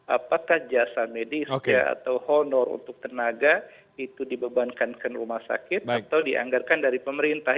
apakah jasa medis atau honor untuk tenaga itu dibebankan ke rumah sakit atau dianggarkan dari pemerintah